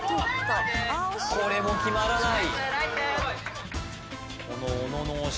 これも決まらない